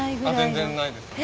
全然ないですね。